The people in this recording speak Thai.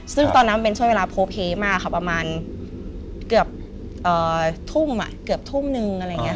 ซึ่งตอนนั้นเป็นช่วงเวลาโพเคมากค่ะประมาณเกือบทุ่มนึง